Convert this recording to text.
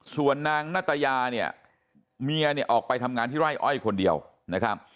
ส่วนนางนัตยาเนี่ยเมียเนี่ยออกไปทำงานที่ไร่อ้อยคนเดียวนะครับ